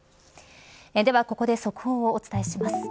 ではここで速報をお伝えします。